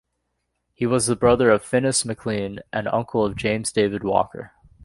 He was the brother of Finis McLean and uncle of James David Walker.